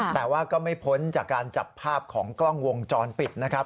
แต่ว่าก็ไม่พ้นจากการจับภาพของกล้องวงจรปิดนะครับ